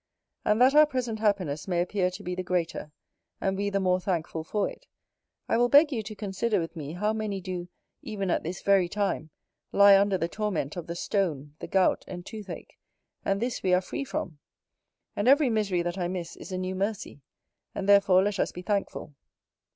And that our present happiness may appear to be the greater, and we the more thankful for it, I will beg you to consider with me how many do, even at this very time, lie under the torment of the stone, the gout, and tooth ache; and this we are free from. And every misery that I miss is a new mercy; and therefore let us be thankful.